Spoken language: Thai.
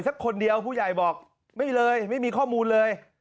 สักคนเดียวผู้ใหญ่บอกไม่เลยไม่มีข้อมูลเลย